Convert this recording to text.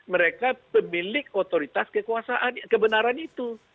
mereka pemilik otoritas kekuasaan kebenaran itu